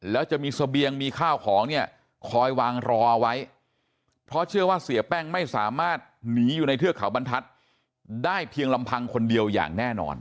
แล้วจะมีเสบียงมีข้าวของเนี่ยคอยวางรอเอาไว้เพราะเชื่อว่าเสียแป้งไม่สามารถหนีอยู่ในเทือกเขาบรรทัศน์ได้เพียงลำพังคนเดียวอย่างแน่นอน